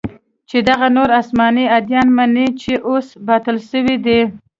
چې دغه نور اسماني اديان مني چې اوس باطل سوي دي.